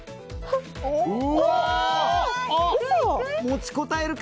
持ちこたえるか。